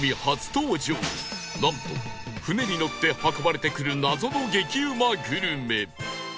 なんと船にのって運ばれてくる謎の激うまグルメ